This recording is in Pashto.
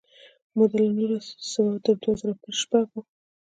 موده له نولس سوه تر دوه زره شپږ وه.